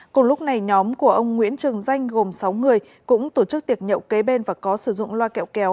cùng lúc này nhóm của ông nguyễn trường danh gồm sáu người cũng tổ chức tiệc nhậu kế bên và có sử dụng loa kẹo kéo